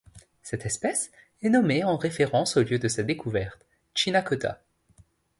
Cette espèce est nommée en référence au lieu de sa découverte, Chinácota.